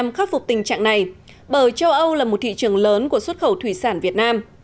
bởi châu âu là một thị trường lớn của xuất khẩu thủy sản việt nam